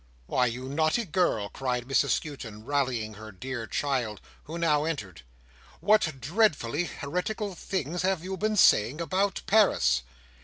"Why, you naughty girl!" cried Mrs Skewton, rallying her dear child, who now entered, "what dreadfully heretical things have you been saying about Paris?"